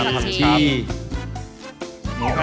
มีตาไทยของชี